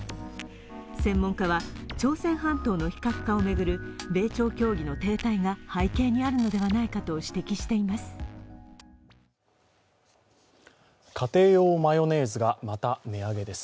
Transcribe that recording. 専門家は、朝鮮半島の非核化を巡る米朝協議の停滞が背景にあるのではないかと指摘しています。